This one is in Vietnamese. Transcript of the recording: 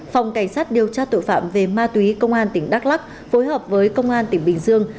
phòng cảnh sát điều tra tội phạm về ma túy công an tỉnh đắk lắc phối hợp với công an tỉnh bình dương